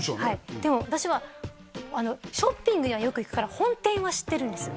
でも私はショッピングにはよく行くから本店は知ってるんですよ